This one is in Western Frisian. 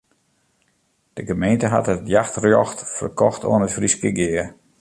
De gemeente hat it jachtrjocht ferkocht oan it Fryske Gea.